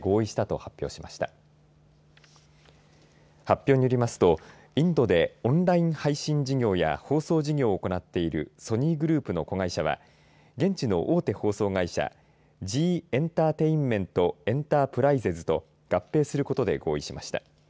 発表によりますとインドでオンライン配信事業や放送事業を行っているソニーグループの子会社は現地の大手放送会社ジー・エンターテインメント・エンタープライゼズと合併することで合意しました。